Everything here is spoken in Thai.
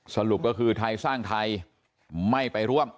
สรุปก็คือไทยสร้างไทยไม่ไปร่วม